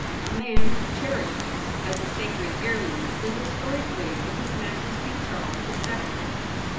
A man who cherishes, as a sacred heirloom, the historic wig of his Majesty Charles the Second